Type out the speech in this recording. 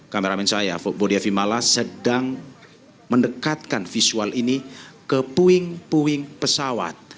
kameramen saya budiavimala sedang mendekatkan visual ini ke puing puing pesawat